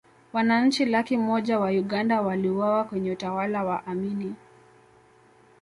wananchi laki moja wa uganda waliuawa kwenye utawala wa amini